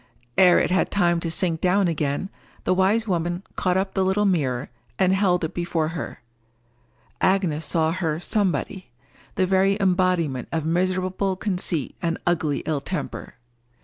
Ere it had time to sink down again, the wise woman caught up the little mirror, and held it before her: Agnes saw her Somebody—the very embodiment of miserable conceit and ugly ill temper.